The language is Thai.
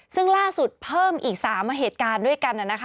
ซึ่งล่าสุดเพิ่มอีก๓เหตุการณ์ด้วยกัน